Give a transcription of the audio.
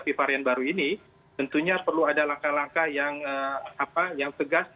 harian baru ini tentunya perlu ada langkah langkah yang segas